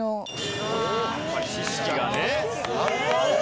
やっぱり知識がね。